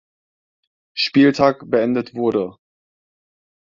Spieltag beendet wurde.